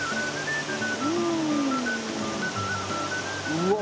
うわ。